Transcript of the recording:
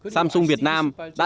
samsung việt nam đã